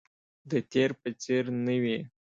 د تیر په څیر نه وي